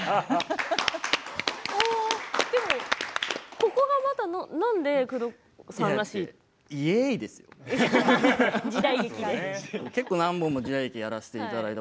ここがまたなんで宮藤さんらしいって？